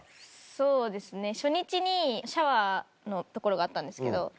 そうですね初日にシャワーの所があったんですけど。